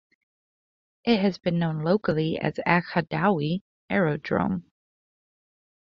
It has been known locally as Aghadowey Aerodrome.